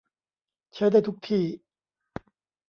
ใช้ได้ทุกที่